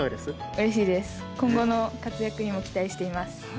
うれしいです、今後の活躍にも期待しています。